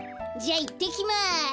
じゃいってきます。